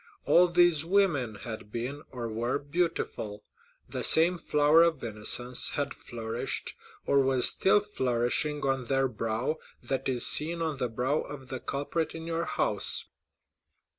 All these women had been, or were, beautiful. The same flower of innocence had flourished, or was still flourishing, on their brow, that is seen on the brow of the culprit in your house."